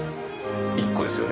１個ですよね？